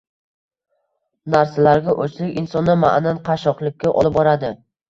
narsalarga o‘chlik insonni ma’nan qashshoqlikka olib boradi.